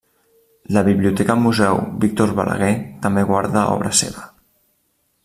La Biblioteca Museu Víctor Balaguer també guarda obra seva.